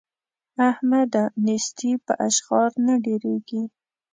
احمده! نېستي په اشخار نه ډېرېږي.